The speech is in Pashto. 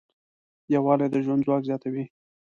یووالی د ژوند ځواک زیاتوي.